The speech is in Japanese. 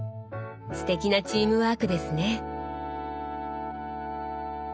すてきなチームワークですね。